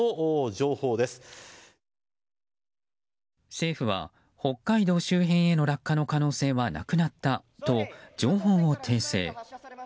政府は北海道周辺への落下の可能性はなくなったと情報を訂正。